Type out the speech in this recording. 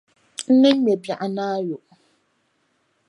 N ni ŋme biɛɣunaayo.